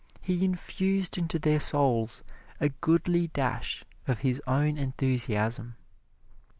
He infused into their souls a goodly dash of his own enthusiasm.